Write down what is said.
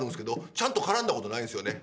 ちゃんと絡んだことないんですよね。